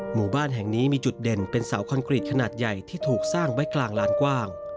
หมู่บ้านแห่งนี้มีจุดเด่นเป็นเสาคอนกรีตขนาดใหญ่ที่ถูกสร้างไว้กลางลานกว้าง